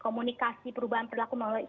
komunikasi perubahan berlaku melalui media